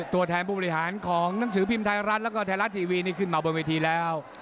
ตัวแทนผู้บริหารของหนังสือพิมพ์ไทยรัฐแล้วก็ไทยรัฐทีวีนี่ขึ้นมาบนเวทีแล้ว